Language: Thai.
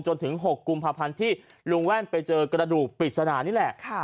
จนถึง๖กุมภาพันธ์ที่ลุงแว่นไปเจอกระดูกปริศนานี่แหละ